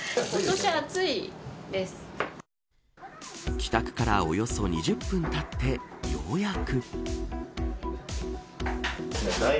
帰宅からおよそ２０分たってようやく。